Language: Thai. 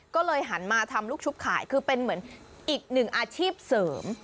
ก็เลยหันมาทำลูกชุบขายคือเป็นเหมือนอีกหนึ่งอาชีพเสริม